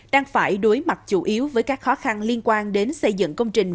đang phải đối mặt chủ yếu với các khó khăn liên quan đến xây dựng công trình